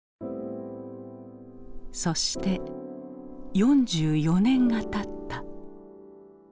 そして４４年がたった。